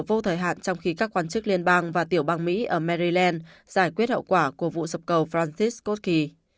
cảng baltimore sẽ có thời hạn trong khi các quan chức liên bang và tiểu bang mỹ ở maryland giải quyết hậu quả của vụ sập cầu francis cotkey